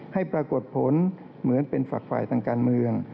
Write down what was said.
ให้ปรากฏผลเหมือนเป็นฝักฝ่ายทางการเมือง